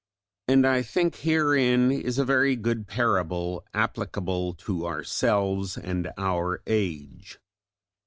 And I think herein is a very good parable applicable to ourselves and our age.